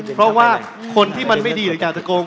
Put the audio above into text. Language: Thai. เพราะว่าคนที่มันไม่ดีหรืออยากจะโกง